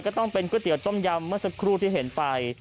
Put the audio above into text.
ก็ต้องเป็นก๋วยเตี๋ยวกอต้มยัมเป็นสักครู่ที่เห็นไป